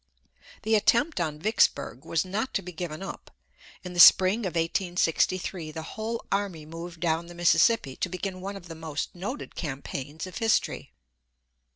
The attempt on Vicksburg was not to be given up. In the spring of 1863 the whole army moved down the Mississippi to begin one of the most noted campaigns of history.